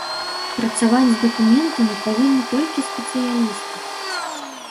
Працаваць з дакументамі павінны толькі спецыялісты.